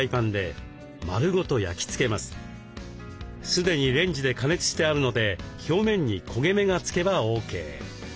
すでにレンジで加熱してあるので表面に焦げ目がつけばＯＫ。